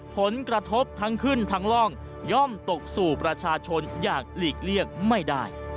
ผลกระทบทั้งขึ้นทั้งร่องย่อมตกสู่ประชาชนอย่างหลีกเลี่ยงไม่ได้